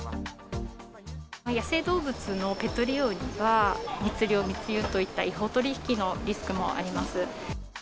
野生動物のペット利用というのは、密猟密輸といった違法取り引きのリスクもあります。